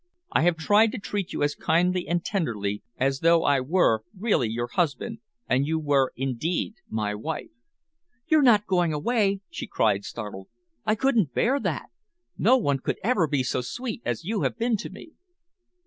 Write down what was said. I have tried to treat you as kindly and tenderly as though I were really your husband and you were indeed my wife." "You're not going away?" she cried, startled. "I couldn't bear that! No one could ever be so sweet as you have been to me."